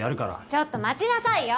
ちょっと待ちなさいよ！